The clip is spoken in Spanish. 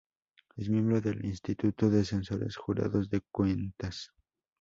Es miembro del Instituto de Censores Jurados de Cuentas.